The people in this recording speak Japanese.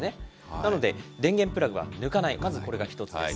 なので、電源プラグは抜かない、まずこれが１つです。